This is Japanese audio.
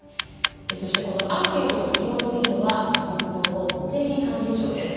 そしてアンケートをとりまとめるのは自民党の茂木幹事長です。